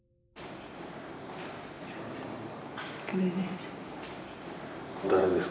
これです。